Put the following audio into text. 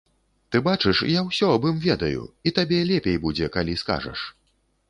Ты бачыш, я ўсё аб ім ведаю, і табе лепей будзе, калі скажаш.